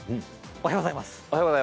おはようございます。